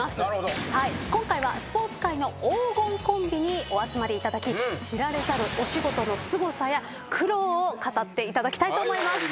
今回はスポーツ界の黄金コンビにお集まりいただき知られざるお仕事のすごさや苦労を語っていただきたいと思います。